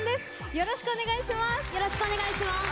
よろしくお願いします。